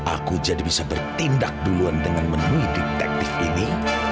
aku jadi bisa bertindak duluan dengan menuhi detektif ini